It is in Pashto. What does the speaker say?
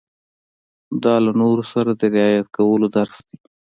دا له نورو سره د رعايت کولو درس دی.